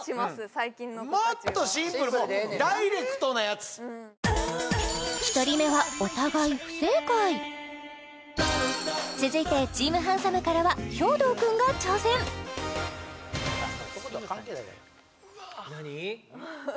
最近の子たちはもっとシンプルもう１人目はお互い不正解続いてチーム・ハンサム！からは兵頭くんが挑戦うわ何？